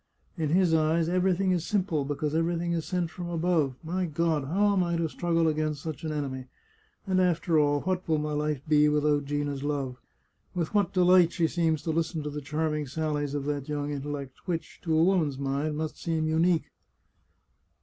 " In his eyes everything is simple, because everything is sent from above. My God, how am I to struggle against such an enemy ? And after all, what will my life be without Gina's love? With what delight she seems to listen to the charming sallies of that young intellect, which, to a woman's mind, must seem unique